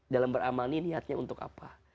dalam beramal ini niatnya untuk apa